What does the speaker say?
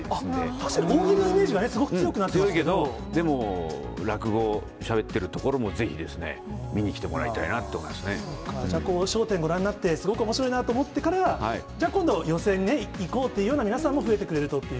確かに大喜利のイメージがす強いけど、でも、落語しゃべってるところもぜひ、見に来てもらいたいなと思いますじゃあ、笑点ご覧になって、すごくおもしろいなと思ってから、じゃあ今度、寄席に行こうっていうような皆さんも増えてくれるとっていう。